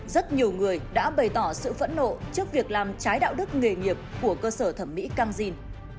rất nhiều người đã bày tỏ sự phẫn nộ trước việc làm trái đạo đức nghề nghiệp của cơ sở thẩm mỹ cang jin